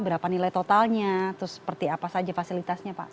berapa nilai totalnya terus seperti apa saja fasilitasnya pak